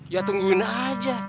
ya tungguin saja